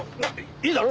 いいだろ？